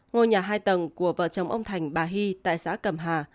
ngôi nhà hai tầng của vợ chồng ông thành bà hy tại xã cầm hà